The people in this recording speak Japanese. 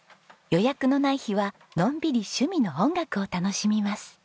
予約のない日はのんびり趣味の音楽を楽しみます。